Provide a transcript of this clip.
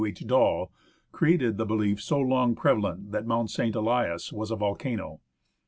H. Dall, created the belief so long prevalent that Mount St. Elias was a volcano.